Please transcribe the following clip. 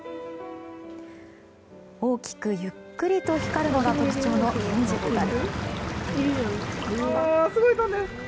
大きくゆっくりと光るのが特徴のゲンジホタル。